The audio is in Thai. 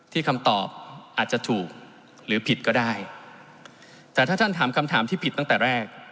คำตอบอาจจะถูกหรือผิดก็ได้แต่ถ้าท่านถามคำถามที่ผิดตั้งแต่แรก